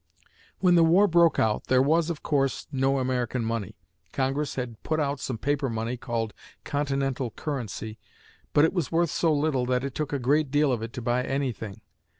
When the war broke out, there was, of course, no American money. Congress had put out some paper money called "Continental Currency," but it was worth so little that it took a great deal of it to buy anything.